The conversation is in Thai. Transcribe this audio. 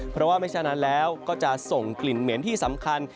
เพราะว่าไม่ฉะนั้นแล้วก็จะส่งกลิ่นเหม็นที่สำคัญ